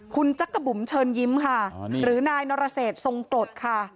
คุณจักรบุ๋มเชิญยิ้มค่ะหรือนายนรเศษทรงกรดค่ะ